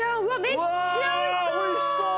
めっちゃ美味しそう！